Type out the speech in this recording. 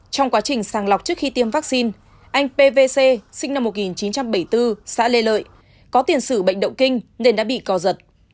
trong quá trình sàng lọc trước khi tiêm vaccine anh pv c sinh năm một nghìn chín trăm bảy mươi bốn xã lê lợi có tiền sử bệnh động kinh nên đã bị co giật